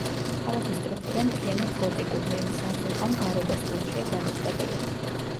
ქალაქის სტრუქტურა მთლიანად გოტიკურ, რენესანსულ ან ბაროკოს სტილშია გადაწყვეტილი.